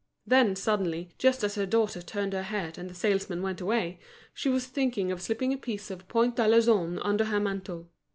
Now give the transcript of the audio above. Then suddenly, just as her daughter turned her head and the salesman went away, she was thinking of slipping a piece of point d'Alençon under her mantle.